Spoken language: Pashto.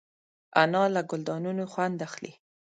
انا له ګلدانونو خوند اخلي